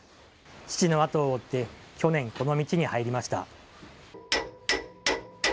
父のあとを追って、去年、この道に入りました。